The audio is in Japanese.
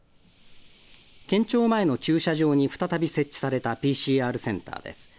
県庁前の駐車場に再び設置されたＰＣＲセンターです。